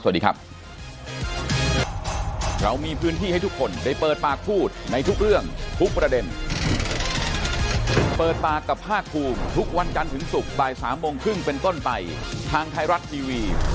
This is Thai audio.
วันนี้ลาไปก่อนนะครับสวัสดีครับ